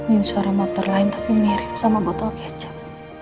bikin suara motor lain tapi mirip sama botol kecap